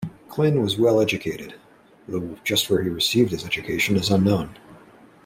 Clyn was well educated, though just where he received his education is unknown.